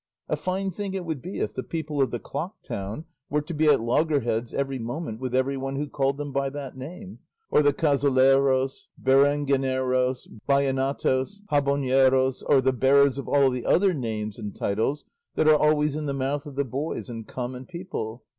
A fine thing it would be if the people of the clock town were to be at loggerheads every moment with everyone who called them by that name, or the Cazoleros, Berengeneros, Ballenatos, Jaboneros, or the bearers of all the other names and titles that are always in the mouth of the boys and common people!